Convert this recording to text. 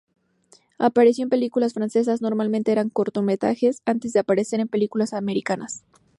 Apareció en películas francesas, normalmente eran cortometrajes, antes de aparecer en películas americanas.